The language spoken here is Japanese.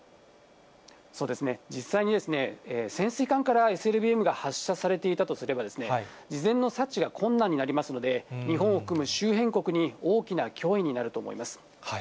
そうですね、実際に潜水艦からＳＬＢＭが発射されていたとすれば、事前の察知が困難になりますので、日本を含む周辺国に、大きな脅威になると思います。